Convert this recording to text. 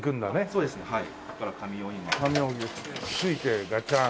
そうですはい。